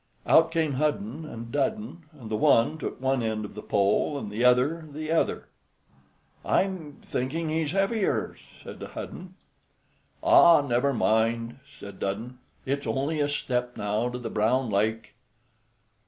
Out came Hudden and Dudden, and the one took one end of the pole, and the other the other. "I'm thinking he's heavier," said Hudden. "Ah, never mind," said Dudden; "it's only a step now to the Brown Lake."